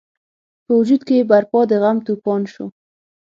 په وجود کې یې برپا د غم توپان شو.